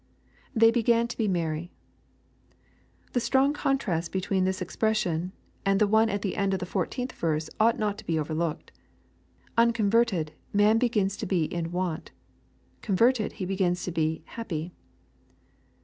[They began to be merry.] The strong contrast between this ex pression and the one at the end of the 14th verse ought not to be overlooked. Unconverted, man begins to be "in want" Converted, he begins to be "happy."